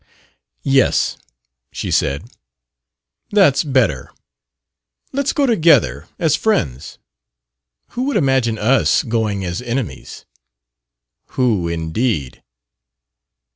"Yes," she said. "That's better. Let's go together as friends." "Who would imagine us going as enemies?" "Who, indeed?"